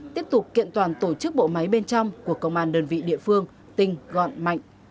tiếp tục kiện toàn tổ chức bộ máy bên trong của công an đơn vị địa phương tinh gọn mạnh